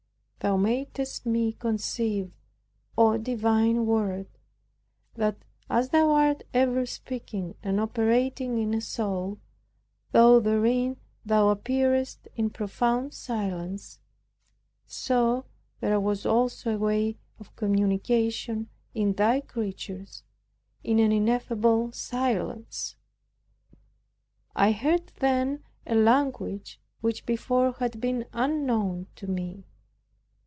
Thou madest me conceive, O divine Word, that as Thou art ever speaking and operating in a soul, though therein thou appearest in profound silence; so there was also a way of communication in thy creatures, in an ineffable silence. I heard then a language which before had been unknown to me.